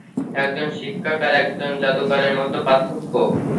একজন শিক্ষক আর একজন জাদুকরের মধ্যে পার্থক্য।